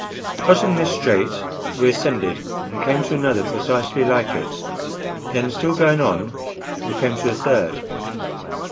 Crossing this street, we ascended and came to another precisely like it; then, still going on, we came to a third.